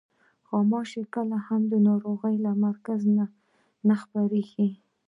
غوماشې کله هم د ناروغۍ له مرکز نه خپرېږي.